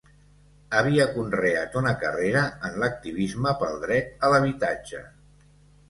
Havia conreat una carrera en l’activisme pel dret a l’habitatge.